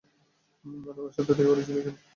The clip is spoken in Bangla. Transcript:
আনোয়ারের সাথে দেখা করেছিল কেন?